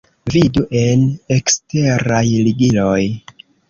Vidu en eksteraj ligiloj.